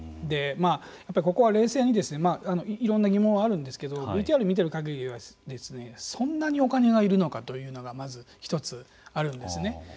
ここは冷静にいろんな疑問はあるんですけどＶＴＲを見ているかぎりはそんなにお金が要るのかというのがまず１つあるんですね。